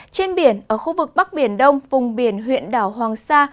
trên biển ở khu vực bắc biển đông vùng biển huyện đảo hoàng sa